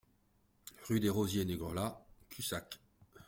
Rue des Rosiers Negrelat, Cussac